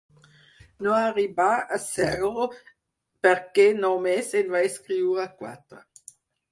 No arribà a ser-ho perquè només en va escriure quatre.